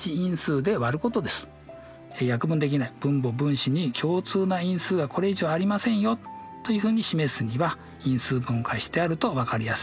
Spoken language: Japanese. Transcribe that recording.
約分できない分母分子に共通な因数がこれ以上ありませんよというふうに示すには因数分解してあると分かりやすいんでしたよね。